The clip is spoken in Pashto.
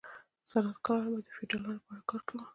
صنعتکارانو به د فیوډالانو لپاره کار کاوه.